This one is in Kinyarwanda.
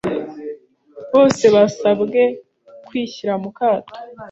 bose basabwe kwishyira mu kato